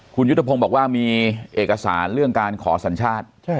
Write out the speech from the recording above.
คุณยุทธพงศ์บอกว่ามีเอกสารเรื่องการขอสัญชาติ